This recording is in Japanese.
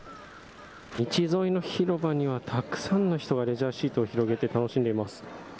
道沿いの広場には、たくさんの人がレジャーシートを広げて楽しんでいます。